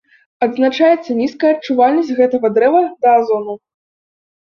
Адзначаецца нізкая адчувальнасць гэтага дрэва да азону.